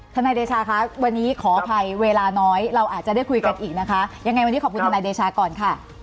นายเดชาคะวันนี้ขออภัยเวลาน้อยเราอาจจะได้คุยกันอีกนะคะยังไงวันนี้ขอบคุณทนายเดชาก่อนค่ะ